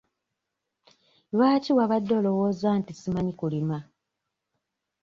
Lwaki wabadde olowooza nti simanyi kulima?